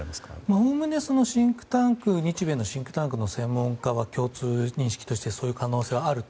おおむね日米のシンクタンクの専門家は共通認識としてそういう可能性はあると。